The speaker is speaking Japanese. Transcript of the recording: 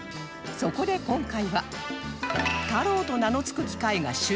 そこで今回は「太郎」と名の付く機械が集結！